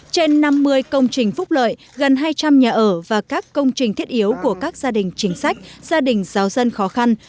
trên năm mươi công trình phúc lợi gần hai trăm linh nhà ở và các công trình thiết yếu của các gia đình chính sách gia đình giáo dân khó khăn